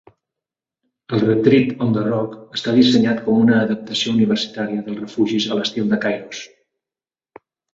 El Retreat on the Rock està dissenyat com una adaptació universitària dels refugis a l'estil de Kairos.